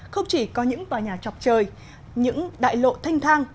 không chỉ có những tòa nhà chọc trời những đại lộ thanh thang